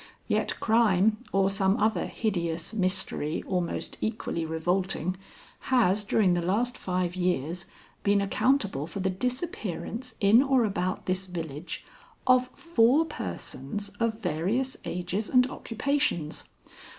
Yet crime, or some other hideous mystery almost equally revolting, has during the last five years been accountable for the disappearance in or about this village of four persons of various ages and occupations.